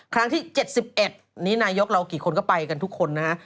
ครั้งที่๗๑นี่นายกเรากี่คนก็ไปกันทุกคนนะฮะ